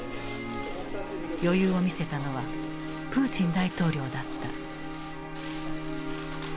余裕を見せたのはプーチン大統領だった。